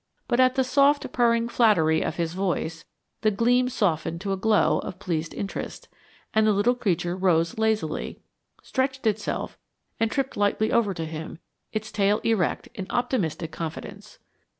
But, at the soft, purring flattery of his voice, the gleam softened to a glow of pleased interest, and the little creature rose lazily, stretched itself, and tripped lightly over to him, its tail erect in optimistic confidence.